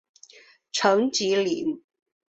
陈吉宁。